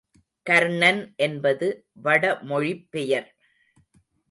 கர்ணன் என்பது வடமொழிப்பெயர்.